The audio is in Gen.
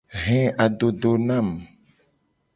He adodo nam.